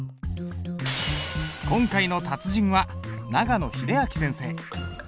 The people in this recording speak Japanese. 今回の達人は長野秀章先生。